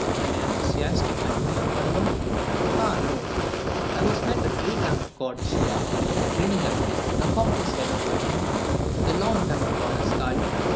an enthusiastic Antonio of Padua! Ah no! I was met by the eight armed god Shiva grinning at me, the ox's head of Vishnu, the long tongued goddess Kalli.